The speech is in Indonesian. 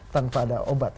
tanpa ada obat